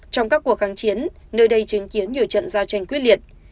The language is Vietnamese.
trong các cuộc kháng chiến nơi đây chứng kiến nhiều trận giao tranh quyết liệt